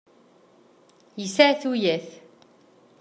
Yesεa tuyat.